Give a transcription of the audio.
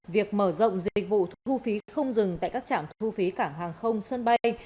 việc mở rộng dịch vụ thu phí không dừng tại các trạm thu phí cảng hàng không sân bay